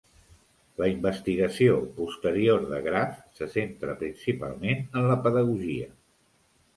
La investigació posterior de Graff se centra principalment en la pedagogia.